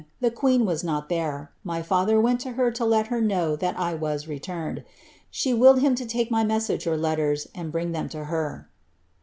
The queen was noi there ; my father went lo her to 1« know ihai I was leiurned. She willed him to lake my message ui ters, and bring them lo her."